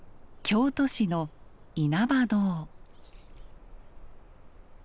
京都市の因幡堂。